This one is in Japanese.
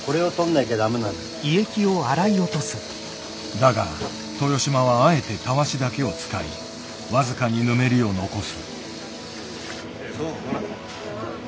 だが豊島はあえてタワシだけを使い僅かにぬめりを残す。